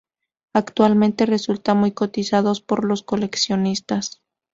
Actualmente resultan muy cotizados por los coleccionistas.